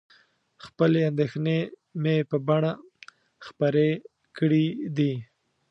خپلې اندېښنې مې په بڼه خپرې کړي دي.